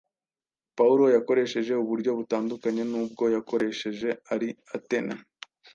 Pawulo yakoresheje uburyo butandukanye n’ubwo yakoresheje ari Atene.